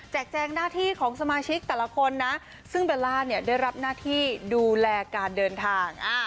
แจงหน้าที่ของสมาชิกแต่ละคนนะซึ่งเบลล่าเนี่ยได้รับหน้าที่ดูแลการเดินทาง